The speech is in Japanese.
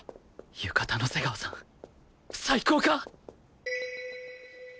浴衣の瀬川さん最高か？